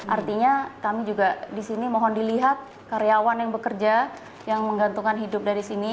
artinya kami juga di sini mohon dilihat karyawan yang bekerja yang menggantungkan hidup dari sini